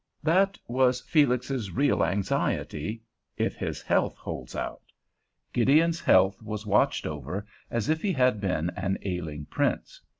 That was Felix's real anxiety—"If his health holds out." Gideon's health was watched over as if he had been an ailing prince.